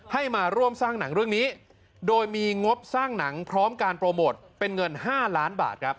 ให้มาร่วมสร้างหนังเรื่องนี้โดยมีงบสร้างหนังพร้อมการโปรโมทเป็นเงิน๕ล้านบาทครับ